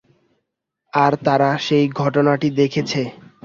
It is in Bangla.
আর তারা সেই ঘটনাটি দেখেছে।